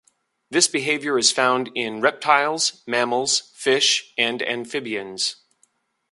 This behaviour is found in reptiles, mammals, fish and amphibians.